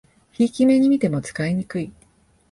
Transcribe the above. ひいき目にみても使いにくい